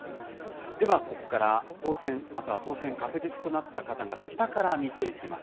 ではここから当選、または当選確実となった方々、北から見ていきます。